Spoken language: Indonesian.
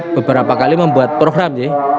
beberapa kali membuat program